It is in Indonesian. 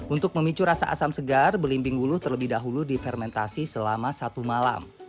untuk memicu rasa asam segar belimbing ulu terlebih dahulu difermentasi selama satu malam